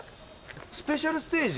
「スペシャルステージ」？